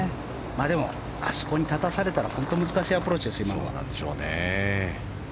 まあでも、あそこに立たされたら本当に難しいアプローチですよ。